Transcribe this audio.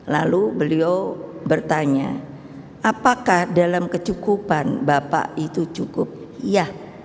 lalu beliau bertanya apakah dalam kecukupan bapak itu cukup iya